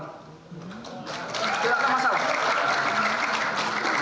tidak ada masalah